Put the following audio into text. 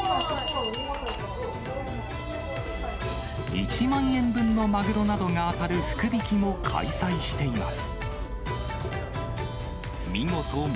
１万円分のマグロなどが当たる福引きも開催しています。